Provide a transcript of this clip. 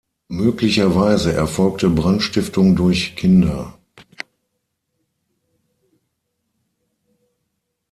Möglicherweise erfolgte Brandstiftung durch Kinder.